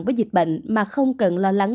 với dịch bệnh mà không cần lo lắng